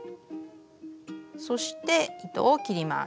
そして糸を切ります。